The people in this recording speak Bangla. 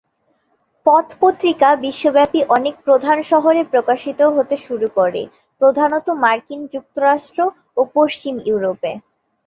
পথ পত্রিকা বিশ্বব্যাপী অনেক প্রধান শহরে প্রকাশিত হতে শুরু করে, প্রধানত মার্কিন যুক্তরাষ্ট্র ও পশ্চিম ইউরোপে।